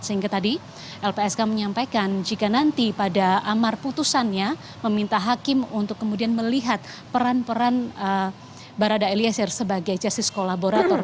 sehingga tadi lpsk menyampaikan jika nanti pada amar putusannya meminta hakim untuk kemudian melihat peran peran barada eliezer sebagai justice kolaborator